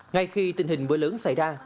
ngay khi tình hình bữa lớn xảy ra